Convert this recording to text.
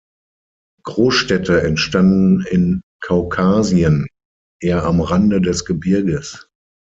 Großstädte entstanden in Kaukasien eher am Rande des Gebirges.